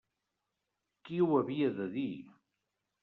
Qui ho havia de dir!